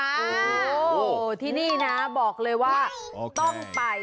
โอ้โหที่นี่นะบอกเลยว่าต้องไป